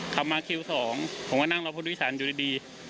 ทำมาคิว๒ผมก็นั่งรอพุทธวิสารอยู่ดี